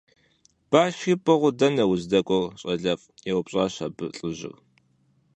– Башри пӀыгъыу дэнэ уздэкӀуэр, щӀалэфӀ? – еупщӀащ абы лӀыжьыр.